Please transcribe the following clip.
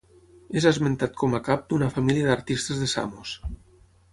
És esmentat com a cap d'una família d'artistes de Samos.